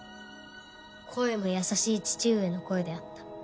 声も優しい父上の声であった。